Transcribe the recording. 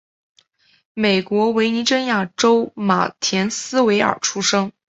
美国维珍尼亚州马田斯维尔出生。